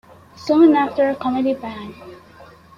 Soon after, Comedy Bang!